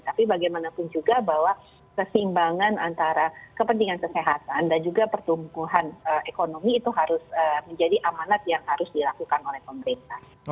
tapi bagaimanapun juga bahwa keseimbangan antara kepentingan kesehatan dan juga pertumbuhan ekonomi itu harus menjadi amanat yang harus dilakukan oleh pemerintah